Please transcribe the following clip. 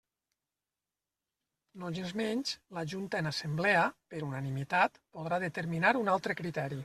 Nogensmenys, la Junta en Assemblea, per unanimitat, podrà determinar un altre criteri.